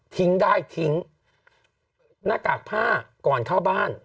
ทิ้งได้ทิ้งหน้ากากผ้าก่อนเข้าบ้าน